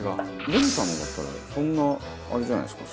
レミさんのだったらそんなあれじゃないですか？